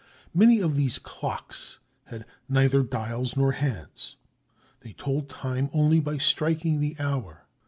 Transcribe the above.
Many of these "clocks" had neither dials nor hands. They told time only by striking the hour.